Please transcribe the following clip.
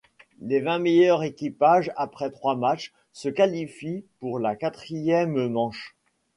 Les vingt meilleurs équipages après trois manches se qualifient pour la quatrième manche.